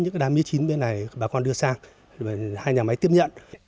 những cái đá mía chín bên này bà con đưa sang hai nhà máy tiếp nhận